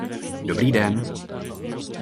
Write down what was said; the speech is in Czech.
Dobrý den.